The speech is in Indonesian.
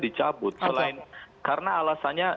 dicabut selain karena alasan